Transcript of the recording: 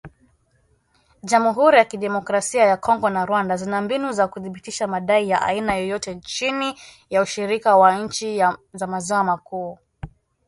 Jamhuri ya Kidemokrasia ya Kongo na Rwanda zina mbinu za kuthibitisha madai ya aina yoyote chini ya ushirika wa nchi za maziwa makuu.